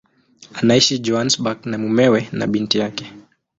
Anaishi Johannesburg na mumewe na binti yake.